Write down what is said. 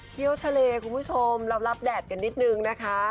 เที่ยวทะเลคุณผู้ชมระบระดาษกันนิดนึงนะค่ะ